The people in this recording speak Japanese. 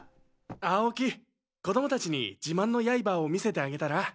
青木子供たちに自慢のヤイバーを見せてあげたら？